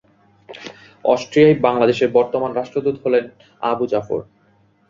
অস্ট্রিয়ায় বাংলাদেশের বর্তমান রাষ্ট্রদূত হলেন আবু জাফর।